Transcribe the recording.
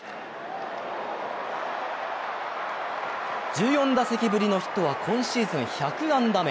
１４打席ぶりのヒットは今シーズン１００安打目。